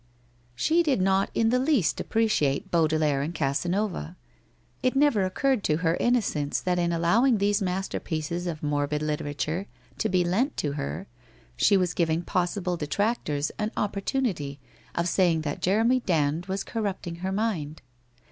She did not in the least appreciate Baudelaire and Casa nova. It never occurred to her innocence that in allowing these masterpieces of morbid literature to be lent to her, she was giving possible detractors an opportunity of saying that Jeremy Dand was corrupting hrr mind.